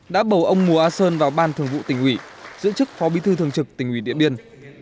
đã bầu ông mùa a sơn vào ban thường vụ tỉnh ủy giữ chức phó bí thư thường trực tỉnh ủy điện biên